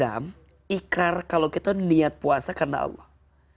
dan ikrar kalau kita niat puasa karena allah